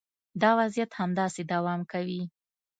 دا وضعیت همداسې دوام کوي